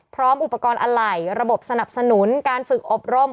พร้อมอุปกรณ์อะไหล่ระบบสนับสนุนการฝึกอบรม